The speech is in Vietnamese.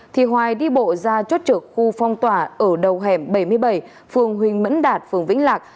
thì hoài đi bộ ra chốt trực khu phong tỏa ở đầu hẻm bảy mươi bảy phường huỳnh mẫn đạt phường vĩnh lạc